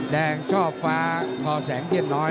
แดงชอบฟ้าคอแสงเทียดน้อย